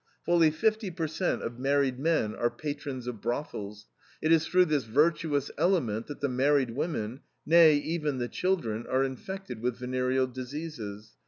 Fully fifty per cent. of married men are patrons of brothels. It is through this virtuous element that the married women nay, even the children are infected with venereal diseases.